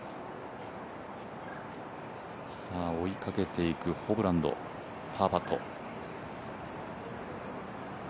追いかけていくホブランド、パーパット。